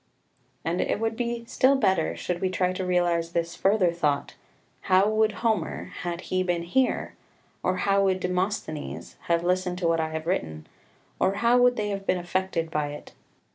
2 And it would be still better should we try to realise this further thought, How would Homer, had he been here, or how would Demosthenes, have listened to what I have written, or how would they have been affected by it?